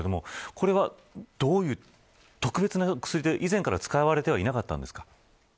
これは特別な薬で、以前から使われてはいなかったんですか。